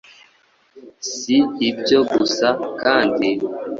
Si ibyo gusa kandi